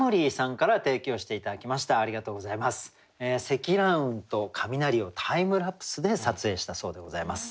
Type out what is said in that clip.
積乱雲と雷をタイムラプスで撮影したそうでございます。